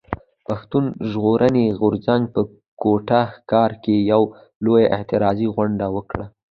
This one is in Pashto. پښتون ژغورني غورځنګ په کوټه ښار کښي يوه لويه اعتراضي غونډه وکړه.